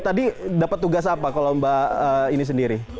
tadi dapat tugas apa kalau mbak ini sendiri